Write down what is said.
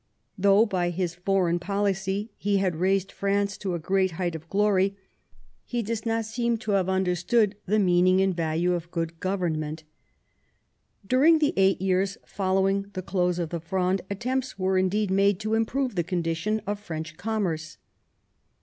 Though by his foreign policy he had raised France to a great height of glory, he does not seem to have understood 176 MAZARIN chap. the meaning and value of good government. During the eight years following the close of the Fronde attempts were indeed made to improve the condition of French commerce.